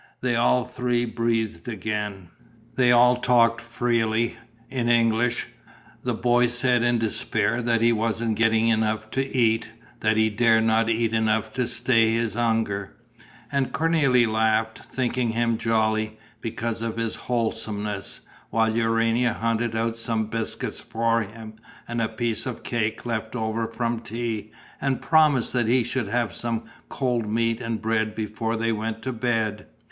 They all three breathed again. They all talked freely, in English: the boy said in despair that he wasn't getting enough to eat, that he dared not eat enough to stay his hunger; and Cornélie laughed, thinking him jolly, because of his wholesomeness, while Urania hunted out some biscuits for him and a piece of cake left over from tea and promised that he should have some cold meat and bread before they went to bed.